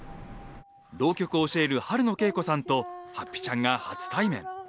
浪曲を教える春野恵子さんとはっぴちゃん。が初対面。